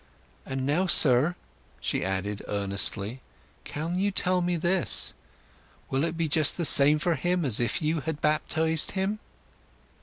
"And now, sir," she added earnestly, "can you tell me this—will it be just the same for him as if you had baptized him?"